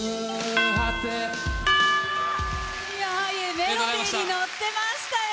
メロディーに乗ってましたよ。